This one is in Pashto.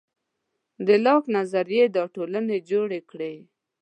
د لاک نظریې دا ټولنې جوړې کړې.